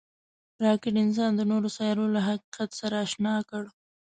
راکټ انسان د نورو سیارو له حقیقت سره اشنا کړ